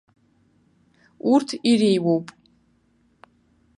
Урҭ иреиуоуп.